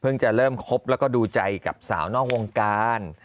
จะเริ่มคบแล้วก็ดูใจกับสาวนอกวงการ